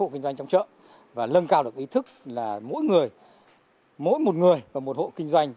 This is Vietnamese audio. hộ kinh doanh trong chợ và lân cao được ý thức là mỗi người mỗi một người và một hộ kinh doanh